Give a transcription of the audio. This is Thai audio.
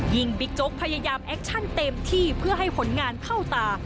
บิ๊กโจ๊กพยายามแอคชั่นเต็มที่เพื่อให้ผลงานเข้าตา